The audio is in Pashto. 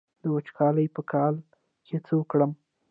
د وچکالۍ په کال کې څه وکړم؟